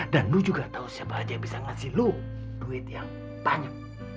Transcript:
dan lu juga tahu siapa aja yang bisa ngasih lu duit yang banyak